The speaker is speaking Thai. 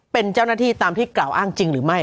เป็นเจ้าหน้าที่ตามที่กล่าวอ้างจริงหรือไม่